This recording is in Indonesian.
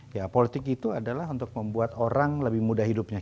ya politik itu adalah untuk membuat orang lebih mudah hidupnya